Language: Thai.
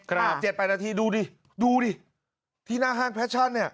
ครับครับดูดิที่หน้าห้างแพชชั่นนี่